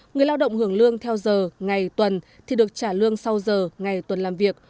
người lao động hưởng lương theo giờ ngày tuần thì được trả lương sau giờ ngày tuần làm việc